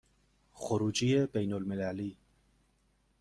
خروجی بین المللی